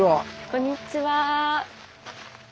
こんにちは。